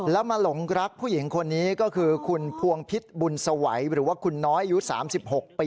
แล้วมาหลงรักผู้หญิงคนนี้ก็คือคุณพวงพิษบุญสวัยหรือว่าคุณน้อยอายุ๓๖ปี